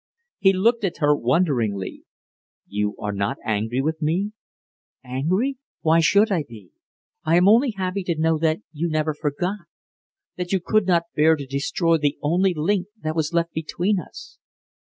He looked at her wonderingly. "You are not angry with me?" "Angry! Why should I be? I am only happy to know that you never forgot that you could not bear to destroy the only link that was left between us.